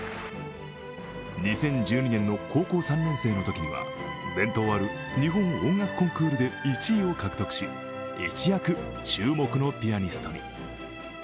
２０１２年の高校３年生のときには伝統ある日本音楽コンクールで１位を獲得し一躍、注目のピアニストに。